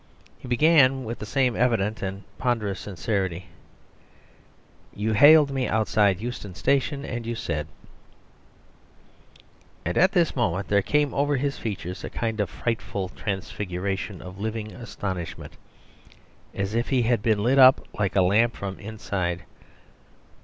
He began with the same evident and ponderous sincerity, "You hailed me outside Euston Station, and you said " And at this moment there came over his features a kind of frightful transfiguration of living astonishment, as if he had been lit up like a lamp from the inside.